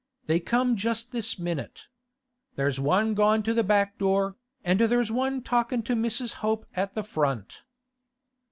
They come just this minute. There's one gone to the back door, and there's one talkin' to Mrs. Hope at the front.